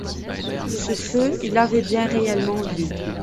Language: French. Ce feu, il l’avait bien réellement vu!